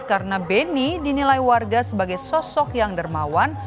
karena beni dinilai warga sebagai sosok yang dermawan